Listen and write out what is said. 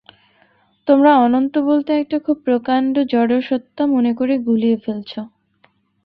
তোমরা অনন্ত বলতে একটা খুব প্রকাণ্ড জড়সত্তা মনে করে গুলিয়ে ফেলছ।